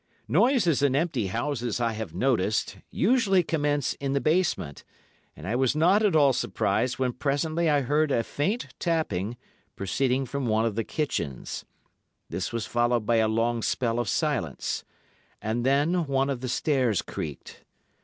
Noises in empty houses I have noticed usually commence in the basement, and I was not at all surprised when presently I heard a faint tapping proceeding from one of the kitchens. This was followed by a long spell of silence, and then one of the stairs creaked.